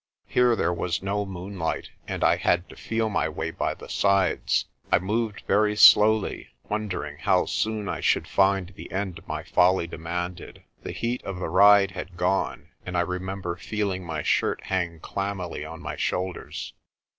Here there was no moonlight and I had to feel my way by the sides. I moved very slowly, wonder ing how soon I should find the end my folly demanded. The heat of the ride had gone, and I remember feeling my shirt hang clammily on my shoulders.